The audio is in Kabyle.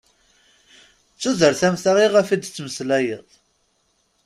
D tudert am ta iɣef d-ttmeslayeḍ?